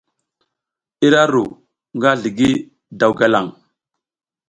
Ira ru nga zligi daw galaŋ.